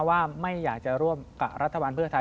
ว่าไม่อยากจะร่วมกับรัฐบาลเพื่อไทย